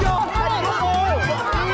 ya kena doang